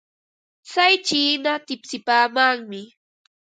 Tsay chiina tipsipaamanmi.